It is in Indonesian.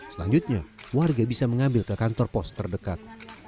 selanjutnya warga bisa mengambil ke kantor pos terdekat